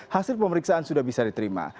hasil pemeriksaan sudah bisa diterima